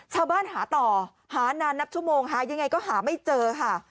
หาต่อหานานนับชั่วโมงหายังไงก็หาไม่เจอค่ะ